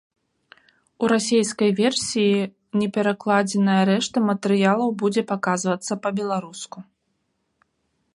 У расейскай версіі неперакладзеная рэшта матэрыялаў будзе паказвацца па-беларуску.